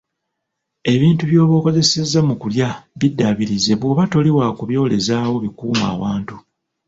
Ebintu byoba okozesezza mu kulya biddaabirize bwoba toli wa kubyolezaawo bikume awantu,